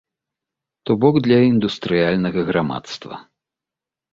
То бок для індустрыяльнага грамадства.